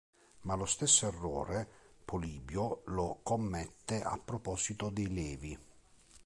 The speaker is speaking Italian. Ma lo stesso errore Polibio lo commette a proposito dei Levi.